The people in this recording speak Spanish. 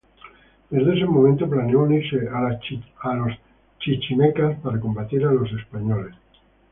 Desde ese momento, planeó unirse a los chichimecas para combatir a los españoles.